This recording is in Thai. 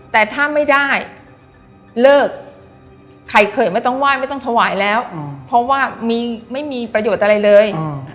แต่ถ้าไม่ได้เลิกใครเคยไม่ต้องไหว้ไม่ต้องถวายแล้วเพราะว่าไม่มีประโยชน์อะไรเลย